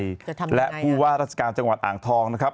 และผู้ว่าราชการจังหวัดอ่างทองนะครับ